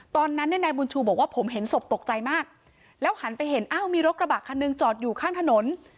ตอนนั้นเนี่ยนายบุญชูบอกว่าผมเห็นศพตกใจมากแล้วหันไปเห็นอ้าวมีรถกระบะคันหนึ่งจอดอยู่ข้างถนน